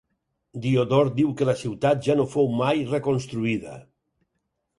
Diodor diu que la ciutat ja no fou mai reconstruïda.